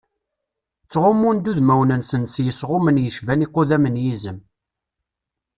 Ttɣummun-d udmawen-nsen s yisɣumen yecban iqudam n yizem.